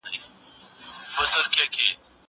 زه به اوږده موده اوبه پاکې کړې وم!